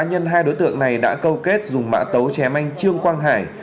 cá nhân hai đối tượng này đã câu kết dùng mã tấu trẻ manh trương quang hải